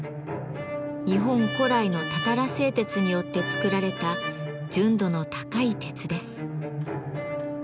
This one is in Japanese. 日本古来のたたら製鉄によって作られた純度の高い鉄です。